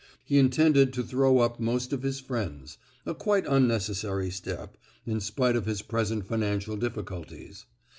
He intended to throw up most of his friends—a quite unnecessary step, in spite of his present financial difficulties.